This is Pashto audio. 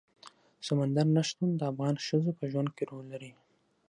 سمندر نه شتون د افغان ښځو په ژوند کې رول لري.